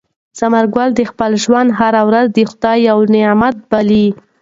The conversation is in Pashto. ثمر ګل د خپل ژوند هره ورځ د خدای یو نعمت باله.